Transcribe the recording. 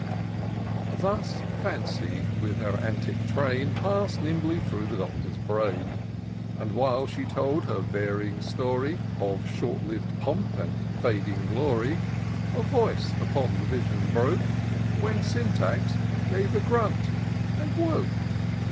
Thus Fancy, with her antic train, Pass'd nimbly through the Doctor's brain : But, while she told her varying story Of short liv'd pomp and fading glory, A voice upon the vision broke, — When Syntax gave a grunt — and 'woke.